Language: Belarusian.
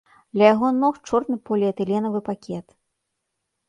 Ля яго ног чорны поліэтыленавы пакет.